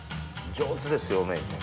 上手ですよ名人。